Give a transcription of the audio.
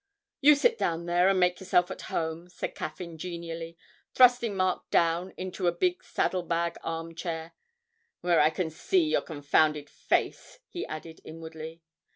'You sit down there and make yourself at home,' said Caffyn genially, thrusting Mark down into a big saddle bag arm chair ('where I can see your confounded face,' he added inwardly).